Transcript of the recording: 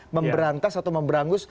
memberangkas atau memberangus